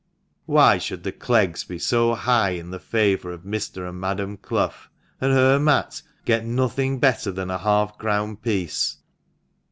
Why should the Cleggs be so high in the favour of Mr. and Madam Clough, and her Matt get nothing better than half a crown piece